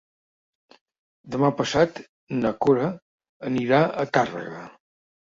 Demà passat na Cora anirà a Tàrrega.